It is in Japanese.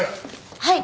はい。